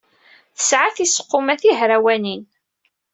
Tesɛa tiseqquma tihrawanin.